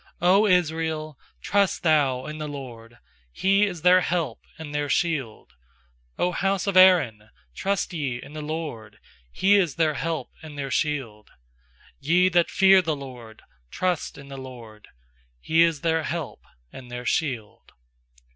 90 Israel, trust thou in the LORD! He is their help and their shield! 100 house of Aaron, trust ye in the LORD! He is their help and their shield! nYe that fear the LORD, trust in the LORD! He is their help and their shield.